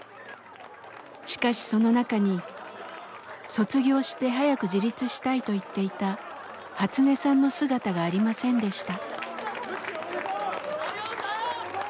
しかしその中に卒業して早く自立したいと言っていたハツネさんの姿がありませんでした。